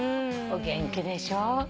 お元気でしょ。